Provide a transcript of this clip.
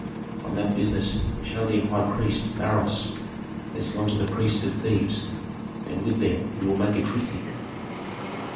On that business the Chaldean high priest Beroes has gone to the priests of Thebes, and with them he will make a treaty.'